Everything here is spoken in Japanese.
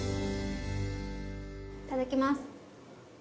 いただきます。